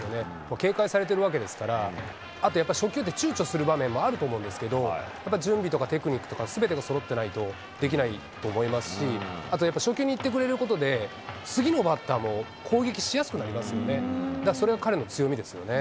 警戒されてるわけですから、あとやっぱ初球ってちゅうちょする場面もあると思うんですけど、やっぱ準備とかテクニックとか、すべてがそろってないとできないと思いますし、あとやっぱり初球にいってくれることで、次のバッターも攻撃しやすくなりますよね、それが彼の強みですよね。